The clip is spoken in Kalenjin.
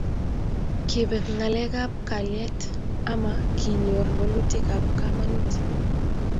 Kibek ngalaet ab kalyet ama kinyor walutik ab kamanut